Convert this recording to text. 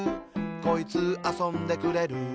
「こいつ、あそんでくれる」